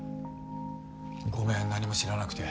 ごめん何も知らなくて。